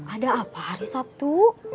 ada apa hari sabtu